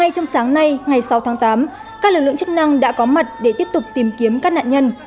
các lực lượng chức năng đã có mặt để tiếp tục tìm kiếm các nạn nhân